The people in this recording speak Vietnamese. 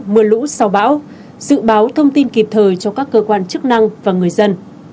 mưa lũ sau bão dự báo thông tin kịp thời cho các cơ quan chức năng và người dân